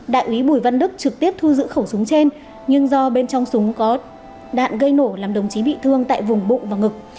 đại úy bùi văn đức trực tiếp thu giữ khẩu súng trên nhưng do bên trong súng có đạn gây nổ làm đồng chí bị thương tại vùng bụng và ngực